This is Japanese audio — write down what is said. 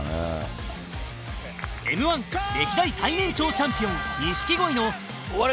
Ｍ−１ 歴代最年長チャンピオン錦鯉の